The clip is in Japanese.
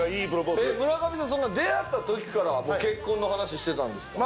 村上さんそんな出会った時からもう結婚の話してたんですか？